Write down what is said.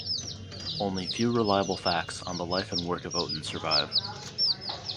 Only few reliable facts on the life and work of Oton survive.